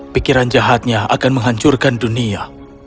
pikiran jahatnya akan menghancurkan dunia